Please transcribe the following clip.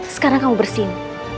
sekarang kamu bersihin